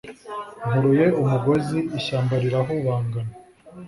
Nkuruye umugozi ishyamba rirahubangana